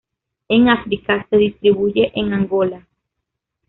En África, se distribuye en Angola.